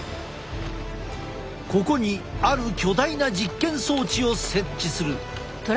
ここにある巨大な実験装置を設置する。